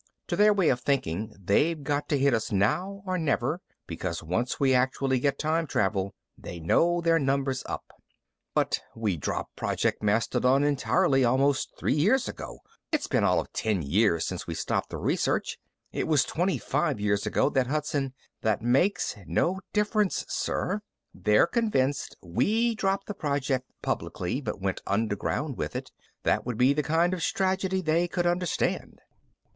To their way of thinking, they've got to hit us now or never, because once we actually get time travel, they know their number's up." "But we dropped Project Mastodon entirely almost three years ago. It's been all of ten years since we stopped the research. It was twenty five years ago that Hudson " "That makes no difference, sir. They're convinced we dropped the project publicly, but went underground with it. That would be the kind of strategy they could understand."